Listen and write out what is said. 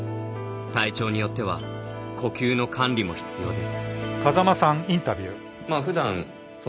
体調によっては呼吸の管理も必要です。